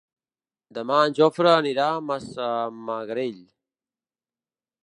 Demà en Jofre anirà a Massamagrell.